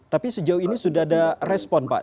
tapi sejauh ini sudah ada respon pak